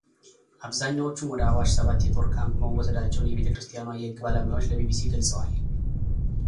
አብዛኛዎቹም ወደ አዋሽ ሰባት የጦር ካምፕ መወሰዳቸውን የቤተ ክርስቲያኗ የሕግ ባለሙያዎች ለቢቢሲ ገልጸዋል።